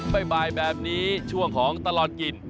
บ่ายแบบนี้ช่วงของตลอดกิน